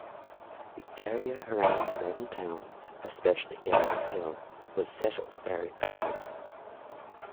The area around the modern town, especially Gerunden hill, was settled very early.